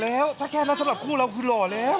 แล้วถ้าแค่นั้นสำหรับคู่เราคือหล่อแล้ว